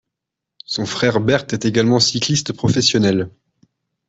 Son frère Bert est également cycliste professionnel.